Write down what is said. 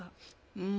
うん。